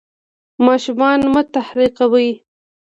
ماشومان مه تحقیروئ.